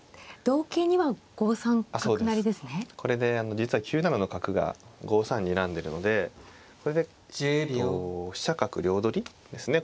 これで実は９七の角が５三にらんでるのでそれで飛車角両取りですね。